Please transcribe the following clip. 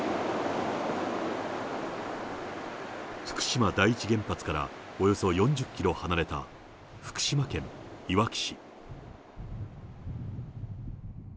福島第一原発からおよそ４０キロ離れた福島県いわき市。